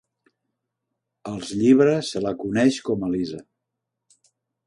Als llibres se la coneix com a "Lisa".